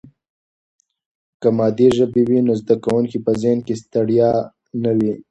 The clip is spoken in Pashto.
که مادي ژبه وي نو د زده کوونکي په ذهن کې ستړیا نه وي.